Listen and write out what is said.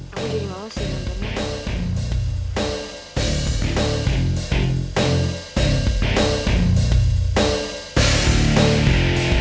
aku jadi mausin mwendi